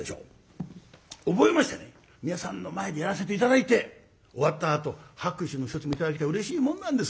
覚えましてね皆さんの前でやらせて頂いて終わったあと拍手の一つも頂けたらうれしいもんなんですよ。